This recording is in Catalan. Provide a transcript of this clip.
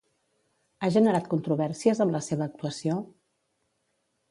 Ha generat controvèrsies amb la seva actuació?